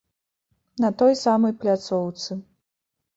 На той самай пляцоўцы.